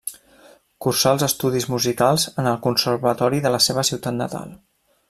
Cursà els estudis musicals en el Conservatori de la seva ciutat natal.